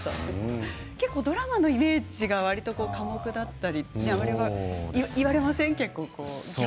結構ドラマのイメージが寡黙だったり言われませんか。